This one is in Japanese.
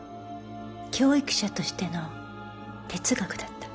教育者としての哲学だった。